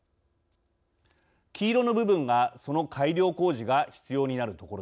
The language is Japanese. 黄色の部分がその改良工事が必要になる所です。